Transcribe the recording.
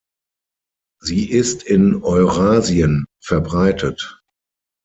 Sie ist in Eurasien verbreitet.